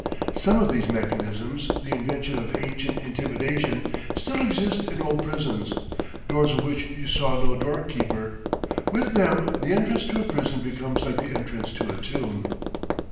Some of these mechanisms, the inventions of ancient intimidation, still exist in old prisons doors of which you saw no doorkeeper. With them the entrance to a prison becomes like the entrance to a tomb.